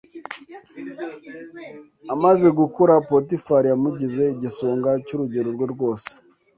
Amaze gukura Potifari yamugize igisonga cy’urugo rwe rwose